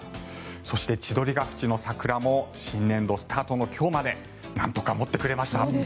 そして千鳥ヶ淵の桜も新年度スタートの今日までなんとか持ってくれました。